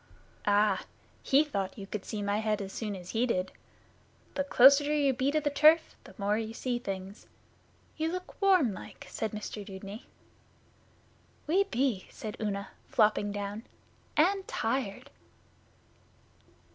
'Ah, he thought you could see my head as soon as he did. The closeter you be to the turf the more you see things. You look warm like,' said Mr Dudeney. 'We be,' said Una, flopping down. 'And tired.